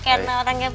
karena orangnya baik